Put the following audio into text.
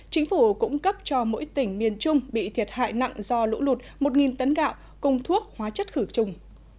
chính phủ cũng cấp cho mỗi tỉnh miền trung bị thiệt hại nặng do lũ lụt một tấn gạo cung thuốc hóa chất khử trùng